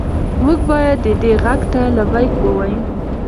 موږ باید دې غږ ته لبیک ووایو.